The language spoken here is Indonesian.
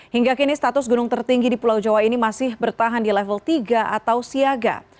hingga kini status gunung tertinggi di pulau jawa ini masih bertahan di level tiga atau siaga